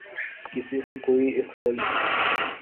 کسی سے کوئی اختل